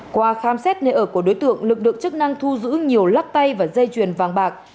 qua khám xét nơi ở của đối tượng lực lượng chức năng thu giữ nhiều lắc tay và dây chuyền vàng bạc